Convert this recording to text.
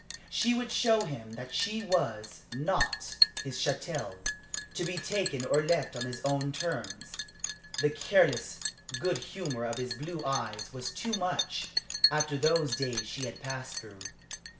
She would show him that she was not his chattel, to be taken or left on his own terms. The, careless good humor of his blue eyes was too much, after those days she had passed through.